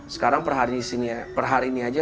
sekarang per hari ini aja